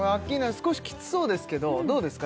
少しキツそうですけどどうですか？